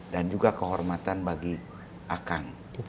dan juga kehormatan bagi akang